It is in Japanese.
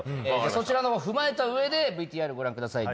そちらの方踏まえた上でＶＴＲご覧ください。